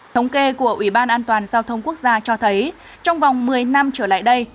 thống kê của ủy ban an toàn giao thông quốc gia cho thấy trong vòng một mươi năm trở lại đây